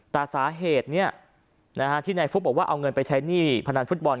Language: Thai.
แต่สาเหตุที่นายฟุ๊กบอกว่าเอาเงินไปใช้หนี้พนันฟุตบอล